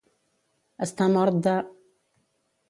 Estar mort de.